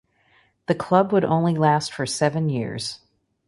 The club would only last for seven years.